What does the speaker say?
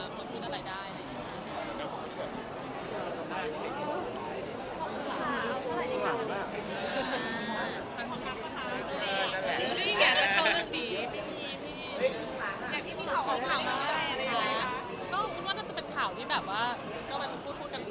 ขอบคุณค่ะนี่คือข้าวที่ขอบคุณค่ะ